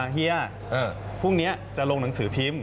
เฮียพรุ่งนี้จะลงหนังสือพิมพ์